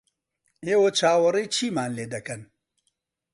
ئێوە چاوەڕێی چیمان لێ دەکەن؟